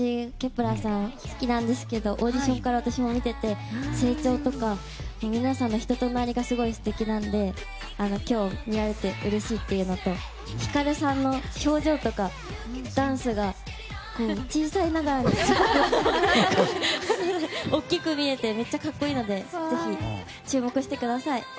１ｅｒさんが好きなんですけどオーディションから私も見てて成長とか、皆さんの人となりがすごい素敵なので今日、見られてうれしいというのとヒカルさんの表情とかダンスが小さいながらにすごくて大きく見えてめっちゃ格好いいのでぜひ注目してください。